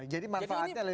jadi manfaatnya lebih banyak